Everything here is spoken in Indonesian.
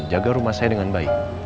jaga rumah saya dengan baik